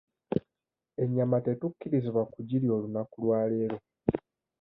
Ennyama tetukkirizibwa kugirya olunaku lwa leero.